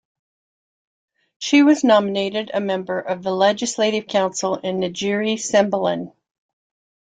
She was nominated a member of the Legislative Council in Negri Sembilan.